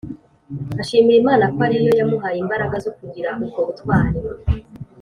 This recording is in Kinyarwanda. ashimira Imana ko ari yo yamuhaye imbaraga zo kugira ubwo butwari